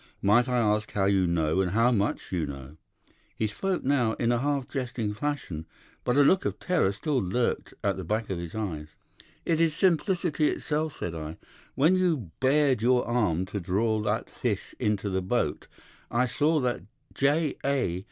Might I ask how you know, and how much you know?' He spoke now in a half jesting fashion, but a look of terror still lurked at the back of his eyes. "'It is simplicity itself,' said I. 'When you bared your arm to draw that fish into the boat I saw that J. A.